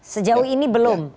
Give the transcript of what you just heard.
sejauh ini belum